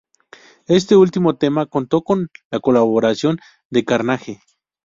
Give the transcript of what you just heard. Este último tema contó con la colaboración de Carnage.